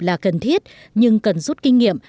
là cần thiết nhưng cần rút kinh nghiệm